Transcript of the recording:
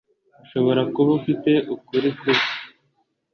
urashobora kuba ufite ukuri kubyo